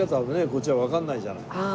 こっちはわかんないじゃない。